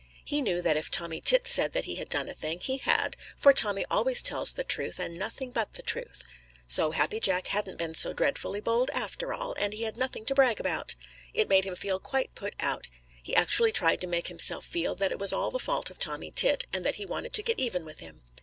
He knew that if Tommy Tit said that he had done a thing, he had, for Tommy always tells the truth and nothing but the truth. So Happy Jack hadn't been so dreadfully bold, after all, and had nothing to brag about. It made him feel quite put out. He actually tried to make himself feel that it was all the fault of Tommy Tit, and that he wanted to get even with him.